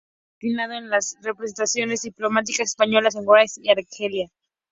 Ha estado destinado en las representaciones diplomáticas españolas en Washington y Argelia.